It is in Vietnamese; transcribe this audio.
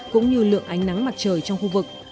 cũng như lượng ánh nắng mặt trời trong khu vực